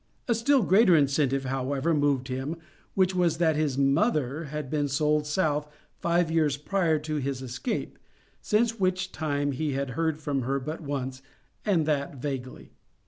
A still greater incentive, however, moved him, which was that his mother had been sold South five years prior to his escape, since which time he had heard of her but once, and that vaguely.